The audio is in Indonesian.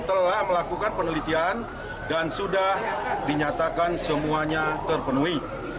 telah melakukan penelitian dan sudah dinyatakan semuanya terpenuhi